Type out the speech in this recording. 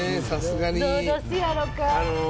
さすがに。